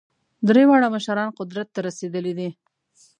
درې واړه مشران قدرت ته رسېدلي دي.